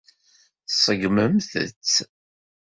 Tṣeggmemt-tt.